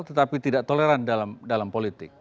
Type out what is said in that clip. tetapi tidak toleran dalam politik